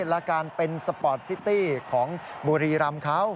และการเป็นสปอร์ตซิตี้ของบุรีรำเขา